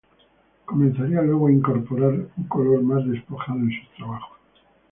Comenzaría luego a incorporar un color más despojado en sus trabajos.